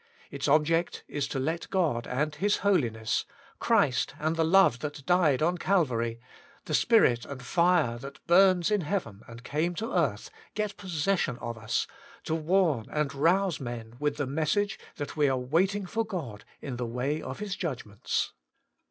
Its object is to let God and His holiness, Christ and the love that died on Calvary, the Spirit and fire that burns in heaven and came to earth, get possession of us, to warn and rouse men with the message that we are waiting for God in the way of His judgments.